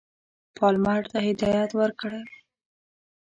پالمر ته هدایت ورکړی وو.